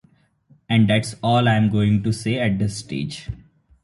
And that's all I'm going to say at this stage.